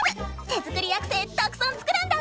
手作りアクセたくさん作るんだぁ！